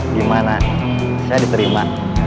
gimana saya diterima